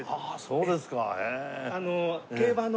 そうですか。